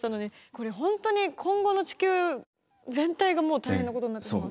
これ本当に今後の地球全体がもう大変なことになってしまう。